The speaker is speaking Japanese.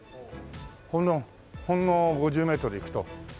ほんのほんの５０メートル行くと。